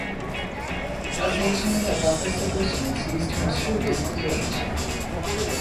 Occasionally, a buffer solution is used to ensure this pH.